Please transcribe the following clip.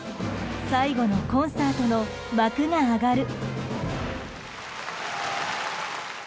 最後のコンサートの幕が上がる。